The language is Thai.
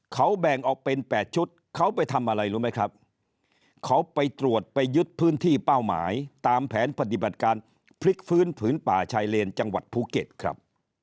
เขาแบ่งออกเป็น๘ชุดเขาไปทำอะไรรู้ไหมครับเขาไปตรวจไปยึดพื้นที่เป้าหมายตามแผนปฏิบัติการพลิกฟื้นผืนป่าชายเลนจังหวัดภูเก็ตครับ